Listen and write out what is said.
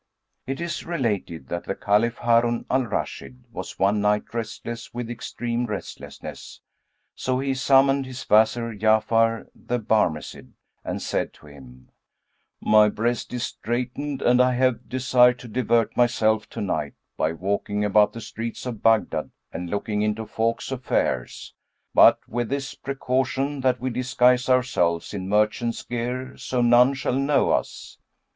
It is related that the Caliph Harun al Rashid, was one night restless with extreme restlessness, so he summoned his Wazir Ja'afar the Barmecide, and said to him, "My breast is straitened and I have a desire to divert myself to night by walking about the streets of Baghdad and looking into folks' affairs; but with this precaution that we disguise ourselves in merchants' gear, so none shall know us."